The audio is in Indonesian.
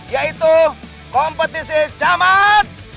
yaitu kompetisi camat